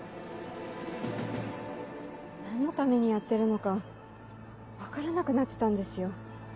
何のためにやってるのか分からなくなってたんですよ。